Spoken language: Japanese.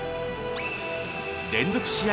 連続試合